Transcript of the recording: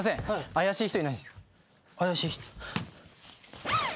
怪しい人。